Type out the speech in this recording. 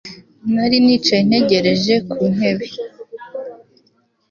Nari nicaye ntegereje ku ntebe